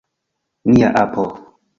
Nia apo!